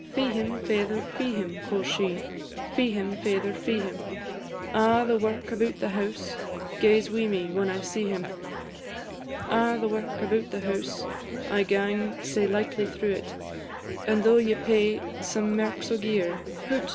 "Fee him, faither, fee him," quo' she; "Fee him, faither, fee him; A' the wark about the house Gaes wi' me when I see him: A' the wark about the house I gang sae lightly through it; And though ye pay some merks o' gear, Hoot!